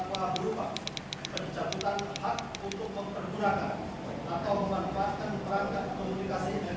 atau memanfaatkan perangkat komunikasi elektronik berbasis internet